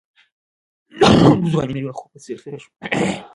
ځواني د یو خوب په څېر تېره شوه.